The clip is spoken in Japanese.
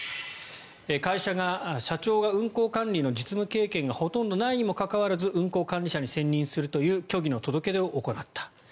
会社が、社長が運航管理の実務経験がほとんどないにもかかわらず運航管理者に選任するという虚偽の届け出を行った。